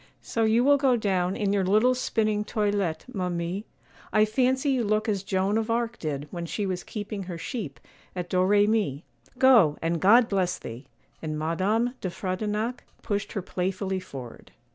'So you will go down in your little spinning toilette, ma mie; I fancy you look as Joan of Arc did when she was keeping her sheep at Doremi. Go, and God bless thee!' and Madame de Frontignac pushed her playfully forward.